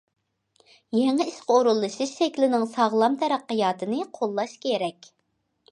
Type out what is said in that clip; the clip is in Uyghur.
يېڭى ئىشقا ئورۇنلىشىش شەكلىنىڭ ساغلام تەرەققىياتىنى قوللاش كېرەك.